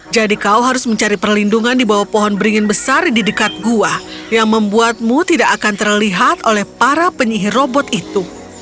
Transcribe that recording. jadi kau harus mencari perlindungan di bawah pohon beringin besar di dekat gua yang membuatmu tidak akan terlihat oleh para penyihir robot itu